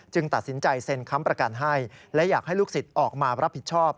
ตัดสินใจเซ็นค้ำประกันให้และอยากให้ลูกศิษย์ออกมารับผิดชอบ